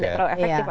tidak terlalu efektif